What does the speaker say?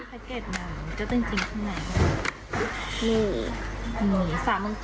แพ็คเกจมันเจ้าต้นจริงข้างใน